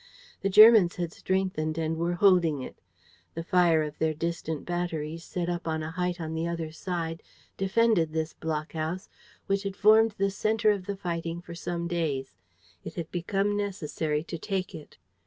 The Germans had strengthened and were holding it. The fire of their distant batteries, set up on a height on the other side, defended this block house, which had formed the center of the fighting for some days. It had become necessary to take it.